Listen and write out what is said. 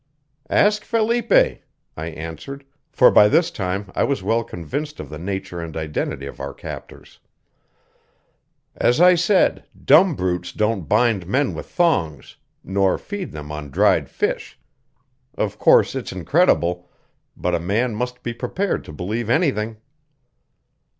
"Ask Felipe," I answered, for by this time I was well convinced of the nature and identity of our captors. "As I said, dumb brutes don't bind men with thongs, nor feed them on dried fish. Of course it's incredible, but a man must be prepared to believe anything."